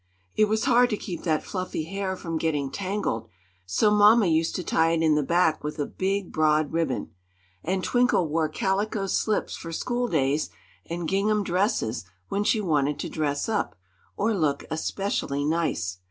It was hard to keep that fluffy hair from getting tangled; so mamma used to tie it in the back with a big, broad ribbon. And Twinkle wore calico slips for school days and gingham dresses when she wanted to "dress up" or look especially nice.